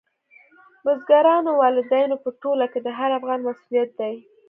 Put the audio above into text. بزګرانو، والدینو په ټوله کې د هر افغان مسؤلیت دی.